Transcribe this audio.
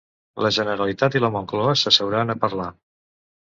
La Generalitat i la Moncloa s'asseuran a parlar